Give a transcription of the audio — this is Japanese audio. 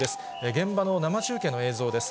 現場の生中継の映像です。